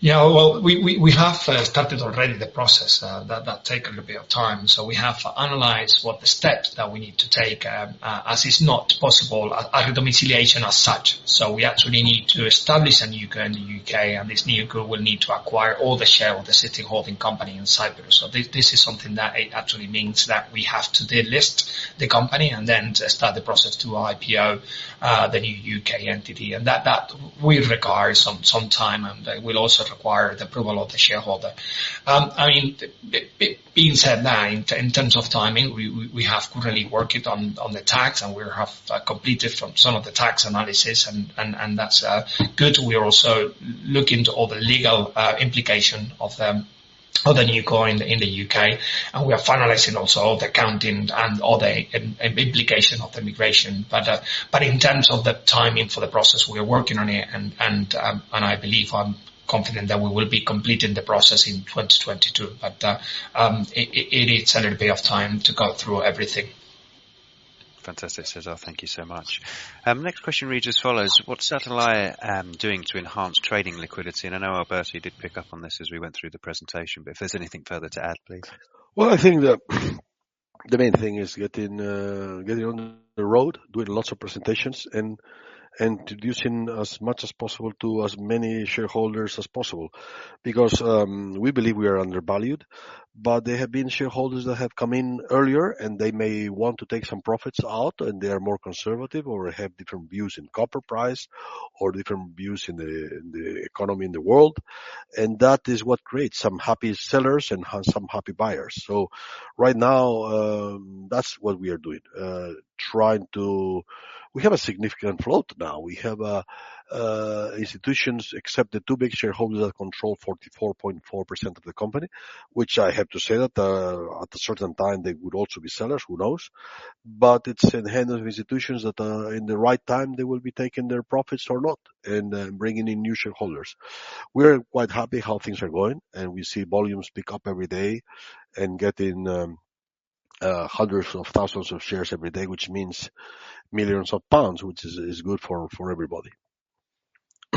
Yeah, well, we have started already the process. That take a little bit of time. We have analyzed what the steps that we need to take, as is not possible at domiciliation as such. We actually need to establish a newco in the U.K., and this newco will need to acquire all the share of the existing holding company in Cyprus. This is something that it actually means that we have to delist the company and then start the process to IPO the new U.K. entity. That will require some time, and that will also require the approval of the shareholder. I mean, that being said, in terms of timing, we are currently working on the tax, and we have completed some of the tax analysis, and that's good. We are also looking into all the legal implication of the NewCo in the U.K., and we are finalizing also all the accounting and all the implication of the migration. In terms of the timing for the process, we are working on it, and I believe I'm confident that we will be completing the process in 2022. It needs a little bit of time to go through everything. Fantastic, César. Thank you so much. Next question reads as follows: What's Atalaya doing to enhance trading liquidity? I know Alberto did pick up on this as we went through the presentation, but if there's anything further to add, please. Well, I think the main thing is getting on the road, doing lots of presentations, and introducing as much as possible to as many shareholders as possible. Because we believe we are undervalued, but there have been shareholders that have come in earlier, and they may want to take some profits out, and they are more conservative or have different views in copper price or different views in the economy in the world. That is what creates some happy sellers and some happy buyers. Right now, that's what we are doing. We have a significant float now. We have institutions, except the two big shareholders that control 44.4% of the company, which I have to say that at a certain time, they would also be sellers, who knows. It's in the hands of institutions that, in the right time, they will be taking their profits or not and, bringing in new shareholders. We're quite happy how things are going, and we see volumes pick up every day and getting hundreds of thousands of shares every day, which means millions of pounds, which is good for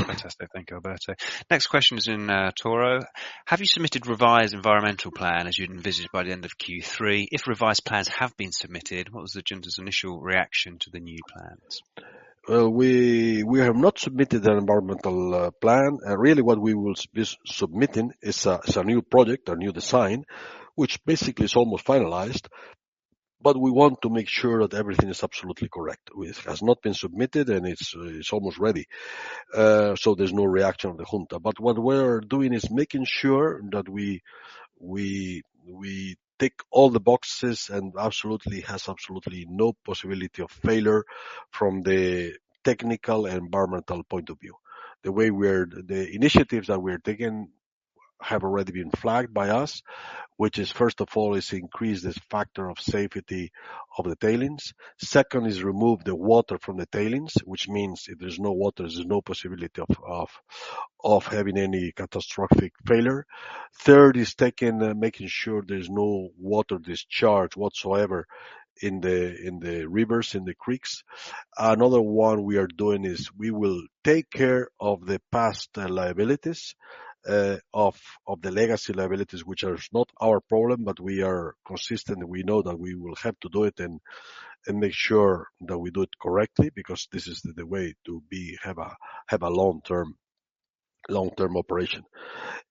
everybody. Fantastic. Thank you, Alberto. Next question is on Touro. Have you submitted revised environmental plan as you'd envisioned by the end of Q3? If revised plans have been submitted, what was the Xunta's initial reaction to the new plans? Well, we have not submitted an environmental plan. Really what we will be submitting is a new project or new design, which basically is almost finalized, but we want to make sure that everything is absolutely correct. It has not been submitted, and it's almost ready. So there's no reaction on the Xunta. What we're doing is making sure that we tick all the boxes and absolutely has no possibility of failure from the technical and environmental point of view. The initiatives that we are taking have already been flagged by us, which is, first of all, increase this factor of safety of the tailings. Second is remove the water from the tailings, which means if there's no water, there's no possibility of having any catastrophic failure. Third is making sure there's no water discharge whatsoever in the rivers, in the creeks. Another one we are doing is we will take care of the past liabilities of the legacy liabilities, which are not our problem, but we are consistent. We know that we will have to do it and make sure that we do it correctly because this is the way to have a long-term operation.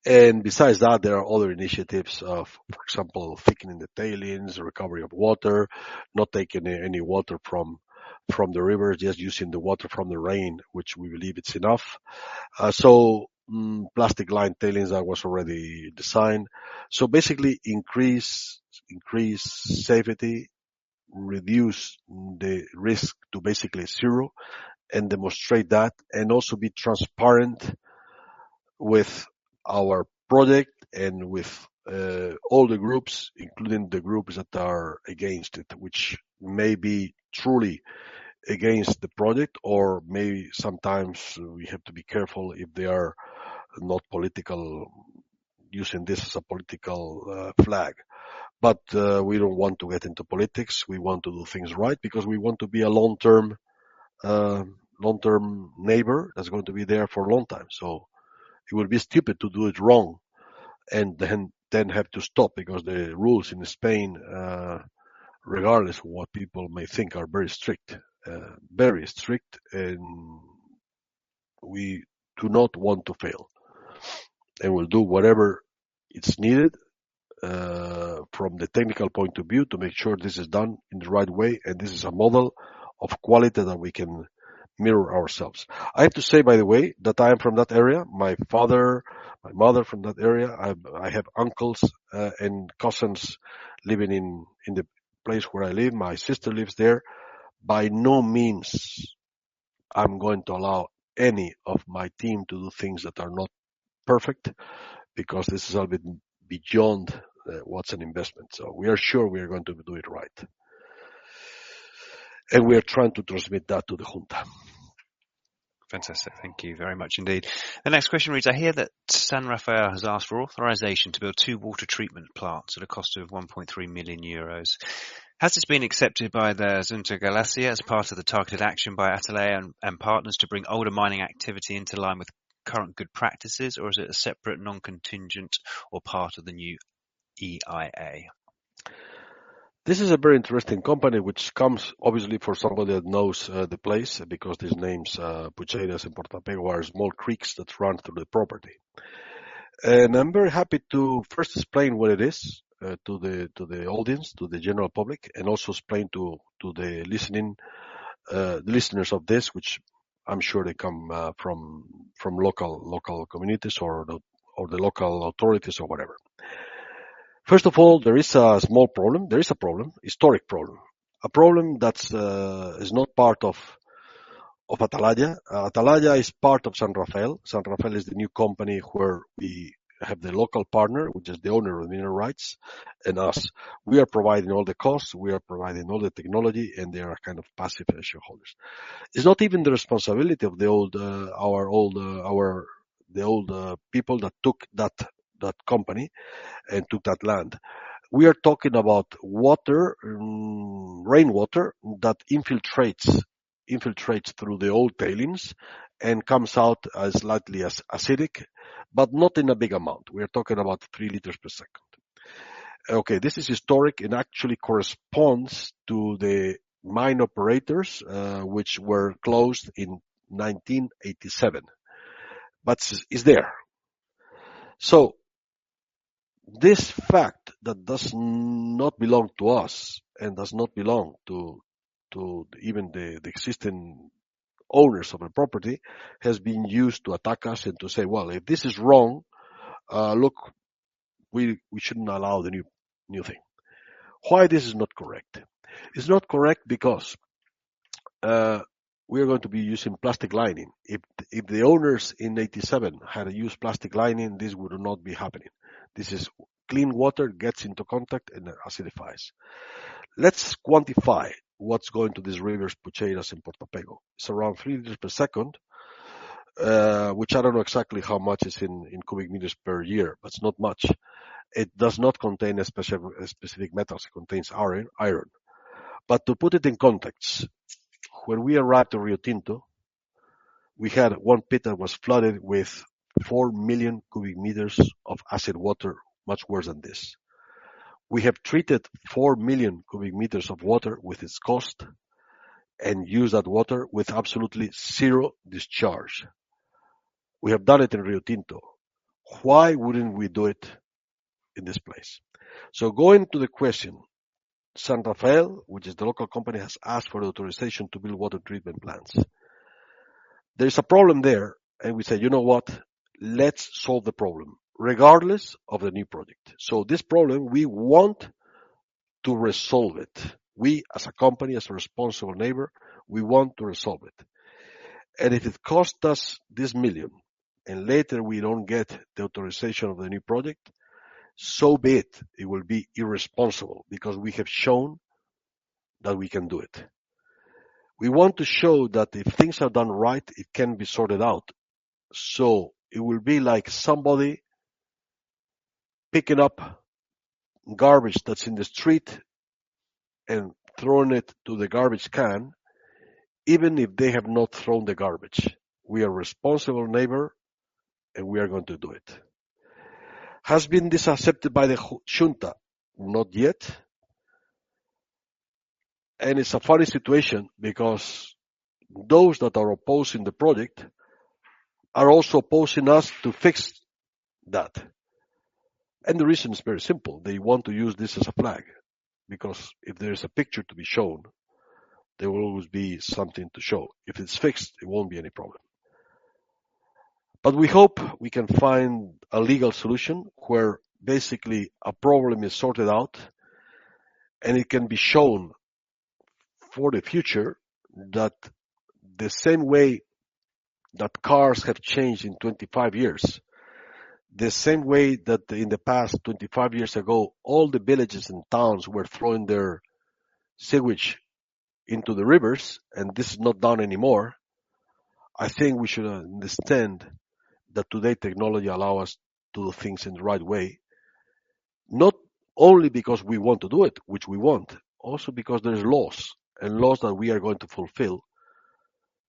Besides that, there are other initiatives of, for example, thickening the tailings, recovery of water, not taking any water from the river, just using the water from the rain, which we believe it's enough. Plastic-lined tailings, that was already designed. Basically increase safety, reduce the risk to basically zero, and demonstrate that, and also be transparent with our project and with all the groups, including the groups that are against it, which may be truly against the project or may sometimes we have to be careful if they are not political, using this as a political flag. We don't want to get into politics. We want to do things right because we want to be a long-term neighbor that's going to be there for a long time. It would be stupid to do it wrong and then have to stop because the rules in Spain, regardless of what people may think, are very strict, and we do not want to fail. We'll do whatever is needed from the technical point of view to make sure this is done in the right way, and this is a model of quality that we can mirror ourselves. I have to say, by the way, that I am from that area. My father, my mother from that area. I have uncles and cousins living in the place where I live. My sister lives there. By no means I'm going to allow any of my team to do things that are not perfect because this is a bit beyond what's an investment. We are sure we are going to do it right. We are trying to transmit that to the Xunta. Fantastic. Thank you very much indeed. The next question reads: I hear that San Rafael has asked for authorization to build two water treatment plants at a cost of 1.3 million euros. Has this been accepted by the Xunta de Galicia as part of the targeted action by Atalaya and partners to bring older mining activity into line with current good practices, or is it a separate non-contingent or part of the new EIA? This is a very interesting company which comes obviously for somebody that knows the place, because these names, Bucheiras and Portapego, are small creeks that run through the property. I'm very happy to first explain what it is to the audience, to the general public, and also explain to the listeners of this, which I'm sure they come from local communities or the local authorities or whatever. First of all, there is a small problem, historic problem. A problem that is not part of Atalaya. Atalaya is part of San Rafael. San Rafael is the new company where we have the local partner, which is the owner of the mineral rights, and us. We are providing all the costs, we are providing all the technology, and they are kind of passive shareholders. It's not even the responsibility of the old people that took that company and took that land. We are talking about water, rainwater that infiltrates through the old tailings and comes out as slightly acidic, but not in a big amount. We are talking about 3 liters per second. Okay, this is historic and actually corresponds to the mine operators, which were closed in 1987, but is there. This fact that does not belong to us and does not belong to even the existing owners of a property has been used to attack us and to say, "Well, if this is wrong, look, we shouldn't allow the new thing." Why is this not correct? It's not correct because we are going to be using plastic lining. If the owners in 1987 had used plastic lining, this would not be happening. This is clean water, gets into contact and then acidifies. Let's quantify what's going to these rivers, Bucheiras and Portapego. It's around three liters per second, which I don't know exactly how much is in cubic meters per year, but it's not much. It does not contain specific metals. It contains iron. To put it in context, when we arrived to Rio Tinto, we had one pit that was flooded with 4 million cubic meters of acid water, much worse than this. We have treated 4 million cubic meters of water with its cost and used that water with absolutely zero discharge. We have done it in Rio Tinto. Why wouldn't we do it in this place? Going to the question, San Rafael, which is the local company, has asked for authorization to build water treatment plants. There is a problem there, and we say, "You know what? Let's solve the problem regardless of the new project." This problem, we want to resolve it. We as a company, as a responsible neighbor, we want to resolve it. If it costs us 1 million and later we don't get the authorization of the new project, so be it. It will be irresponsible because we have shown that we can do it. We want to show that if things are done right, it can be sorted out. So it will be like somebody picking up garbage that's in the street and throwing it to the garbage can, even if they have not thrown the garbage. We are a responsible neighbor, and we are going to do it. Has this been accepted by the Xunta? Not yet. It's a funny situation because those that are opposing the project are also opposing us to fix that. The reason is very simple. They want to use this as a flag, because if there is a picture to be shown, there will always be something to show. If it's fixed, it won't be any problem. We hope we can find a legal solution where basically a problem is sorted out, and it can be shown for the future that the same way that cars have changed in 25 years, the same way that in the past 25 years ago, all the villages and towns were throwing their sewage into the rivers, and this is not done anymore. I think we should understand that today technology allow us to do things in the right way, not only because we want to do it, which we want, also because there is laws and laws that we are going to fulfill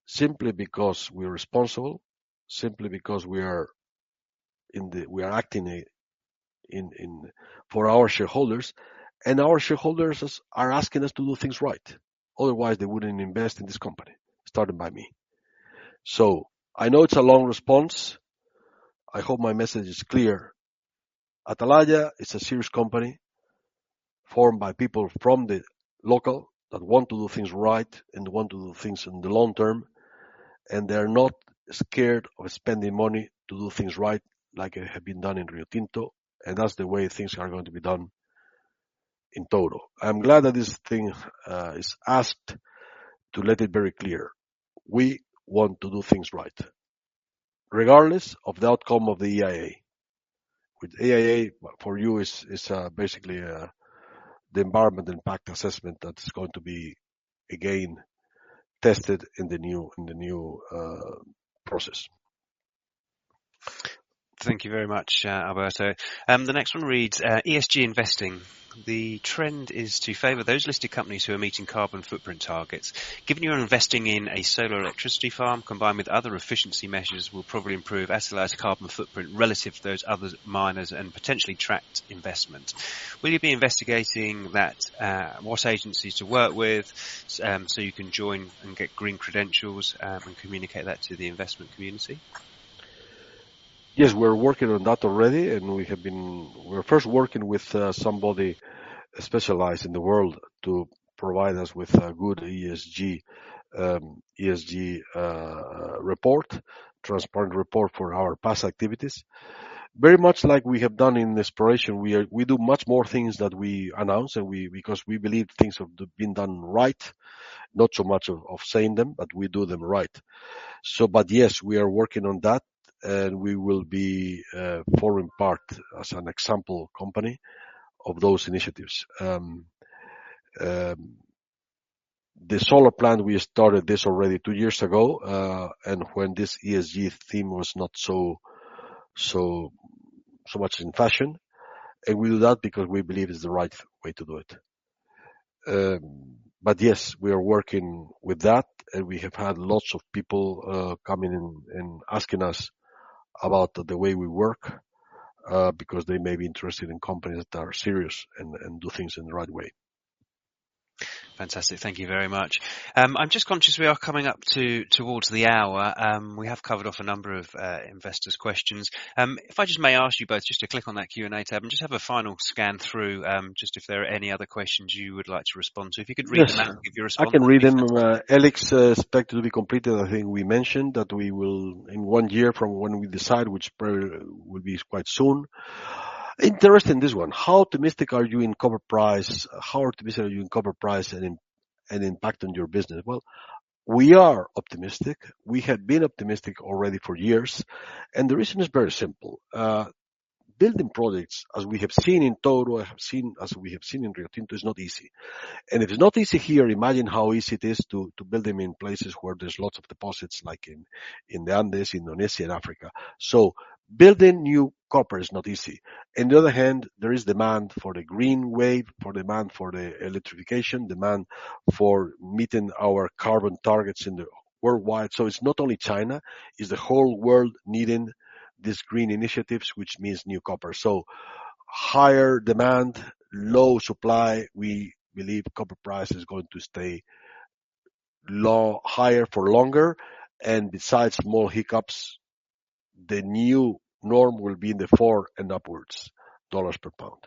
simply because we are responsible, simply because we are acting in for our shareholders, and our shareholders are asking us to do things right. Otherwise, they wouldn't invest in this company, starting by me. I know it's a long response. I hope my message is clear. Atalaya is a serious company formed by people from the local that want to do things right and want to do things in the long term, and they're not scared of spending money to do things right like it had been done in Rio Tinto, and that's the way things are going to be done in Touro. I'm glad that this thing is asked to let it very clear. We want to do things right. Regardless of the outcome of the EIA. What the EIA for you is basically the environmental impact assessment that is going to be again tested in the new process. Thank you very much, Alberto. The next one reads, ESG investing. The trend is to favor those listed companies who are meeting carbon footprint targets. Given you're investing in a solar electricity farm combined with other efficiency measures will probably improve Atalaya's carbon footprint relative to those other miners and potentially attract investment. Will you be investigating that, what agencies to work with, so you can join and get green credentials, and communicate that to the investment community? Yes, we're working on that already, and we have been. We're first working with somebody specialized in the world to provide us with a good ESG report, transparent report for our past activities. Very much like we have done in exploration, we do much more things than we announce, and because we believe things have been done right, not so much of saying them, but we do them right. Yes, we are working on that, and we will be forming part as an example company of those initiatives. The solar plant, we started this already two years ago, and when this ESG theme was not so much in fashion. We do that because we believe it's the right way to do it. Yes, we are working with that. We have had lots of people coming in and asking us about the way we work because they may be interested in companies that are serious and do things in the right way. Fantastic. Thank you very much. I'm just conscious we are coming up towards the hour. We have covered off a number of investors' questions. If I just may ask you both just to click on that Q&A tab and just have a final scan through, just if there are any other questions you would like to respond to. If you could read them out and give your response. Yes. I can read them. E-LIX expected to be completed. I think we mentioned that we will in one year from when we decide, which probably will be quite soon. Interesting, this one. How optimistic are you in copper price and impact on your business? Well, we are optimistic. We have been optimistic already for years, and the reason is very simple. Building projects, as we have seen in Touro, as we have seen in Rio Tinto, is not easy. If it's not easy here, imagine how easy it is to build them in places where there's lots of deposits like in the Andes, Indonesia, and Africa. Building new copper is not easy. On the other hand, there is demand for the green wave, demand for the electrification, demand for meeting our carbon targets worldwide. It's not only China, it's the whole world needing these green initiatives, which means new copper. Higher demand, low supply, we believe copper price is going to stay low, higher for longer. Besides small hiccups, the new norm will be in the $4 and upwards per pound.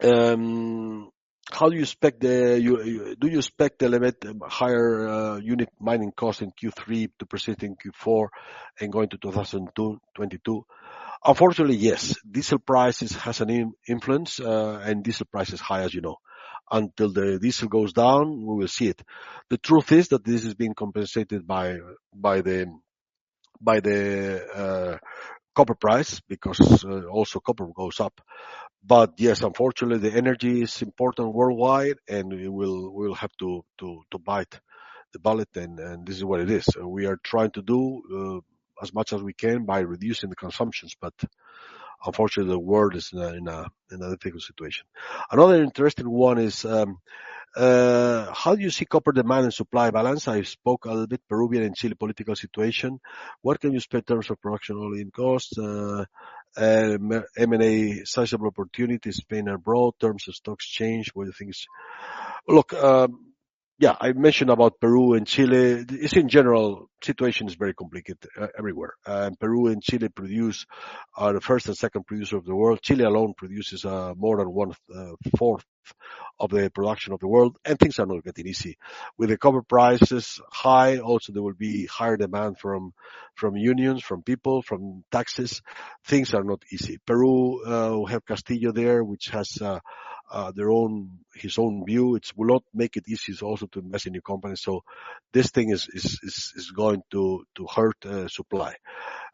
Do you expect a little bit higher unit mining cost in Q3 to persist in Q4 and going to 2022? Unfortunately, yes. Diesel prices has an influence, and diesel price is high, as you know. Until the diesel goes down, we will see it. The truth is that this is being compensated by the copper price because also copper goes up. Yes, unfortunately, the energy is important worldwide, and we will have to bite the bullet. This is what it is. We are trying to do as much as we can by reducing the consumptions, but unfortunately, the world is in a difficult situation. Another interesting one is how do you see copper demand and supply balance? I spoke a little bit about Peruvian and Chile political situation. What can you expect in terms of production all-in costs, M&A sizable opportunities, Spain abroad, in terms of stocks change, what are the things? Look, yeah, I mentioned about Peru and Chile. The situation in general is very complicated everywhere. Peru and Chile are the first and second producers of the world. Chile alone produces more than one fourth of the production of the world, and things are not getting easy. With the copper prices high, also, there will be higher demand from unions, from people, from taxes. Things are not easy. Peru, which has Castillo there, which has his own view. It will not make it easy also to invest in new companies. This thing is going to hurt supply.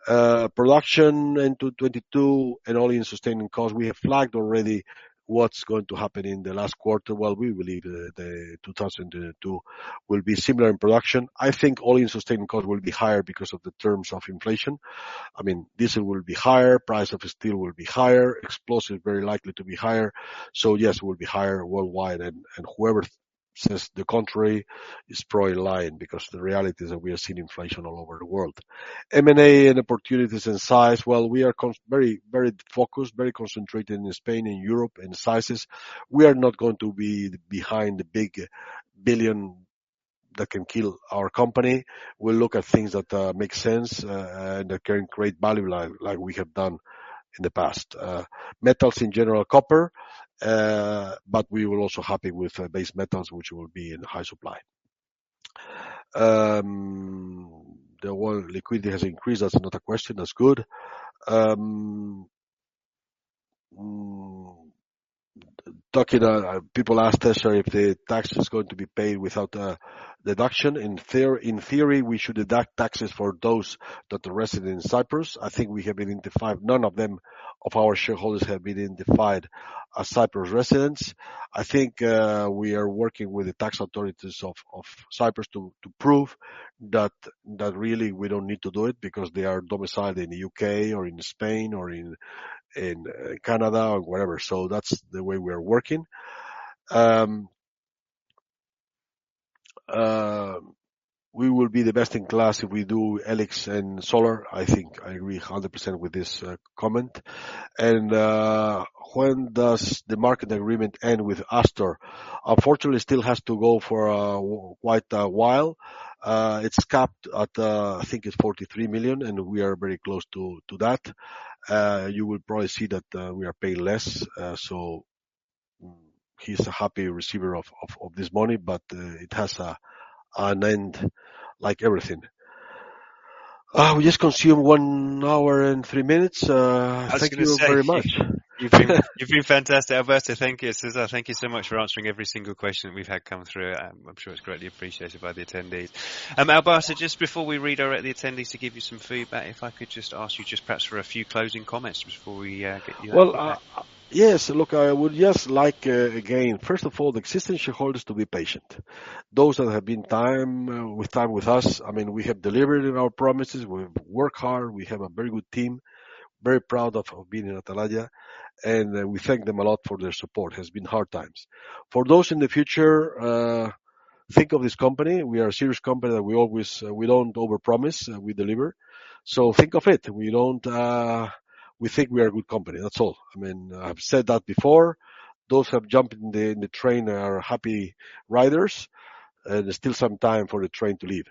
Production into 2022 and all-in sustaining costs, we have flagged already what's going to happen in the last quarter. Well, we believe 2022 will be similar in production. I think all-in sustaining cost will be higher because of the terms of inflation. I mean, diesel will be higher, price of steel will be higher, explosive very likely to be higher. Yes, it will be higher worldwide. Whoever says the contrary is probably lying because the reality is that we are seeing inflation all over the world. M&A and opportunities and size. Well, we are very, very focused, very concentrated in Spain and Europe in sizes. We are not going to be behind the big billion that can kill our company. We'll look at things that make sense and that can create value like we have done in the past. Metals in general, copper, but we will also be happy with base metals, which will be in high supply. The world liquidity has increased. That's another question. That's good. Talking, people ask us if the tax is going to be paid without deduction. In theory, we should deduct taxes for those that are resident in Cyprus. I think none of them, of our shareholders, have been identified as Cyprus residents. I think we are working with the tax authorities of Cyprus to prove that really we don't need to do it because they are domiciled in U.K. or in Spain or in Canada or wherever. That's the way we are working. We will be the best in class if we do E-LIX and solar. I think I agree 100% with this comment. When does the marketing agreement end with Astor? Unfortunately, it still has to go for quite a while. It's capped at, I think it's 43 million, and we are very close to that. You will probably see that we are paying less. He's a happy receiver of this money, but it has an end, like everything. We just consume 1 hour and 3 minutes. Thank you very much. You've been fantastic, Alberto. Thank you, César. Thank you so much for answering every single question we've had come through. I'm sure it's greatly appreciated by the attendees. Alberto, just before we redirect the attendees to give you some feedback, if I could just ask you just perhaps for a few closing comments before we get you out of here. Look, I would just like, again, first of all, the existing shareholders to be patient. Those that have been with us, I mean, we have delivered on our promises, we've worked hard, we have a very good team, very proud of being in Atalaya, and we thank them a lot for their support. It has been hard times. For those in the future, think of this company. We are a serious company, and we don't overpromise, we deliver. Think of it. We don't. We think we are a good company. That's all. I mean, I've said that before. Those who have jumped in the train are happy riders. There's still some time for the train to leave.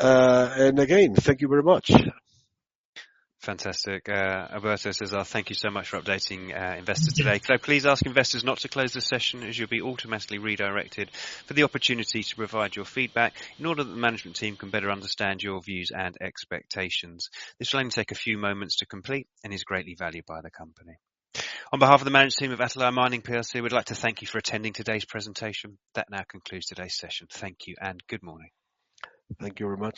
Again, thank you very much. Fantastic. Alberto, César, thank you so much for updating investors today. Can I please ask investors not to close this session, as you'll be automatically redirected for the opportunity to provide your feedback in order that the management team can better understand your views and expectations. This will only take a few moments to complete and is greatly valued by the company. On behalf of the management team of Atalaya Mining PLC, we'd like to thank you for attending today's presentation. That now concludes today's session. Thank you and good morning. Thank you very much.